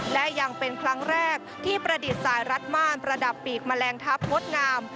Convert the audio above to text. และยังเป็นครั้งแรกที่ประดิษฐ์สายรัดม่านประดับปีกแมลงทัพงดงาม